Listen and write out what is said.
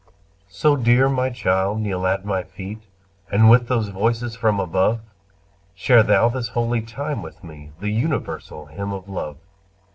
So, dear my child, kneel at my feet, And with those voices from above Share thou this holy time with me, The universal hymn of love.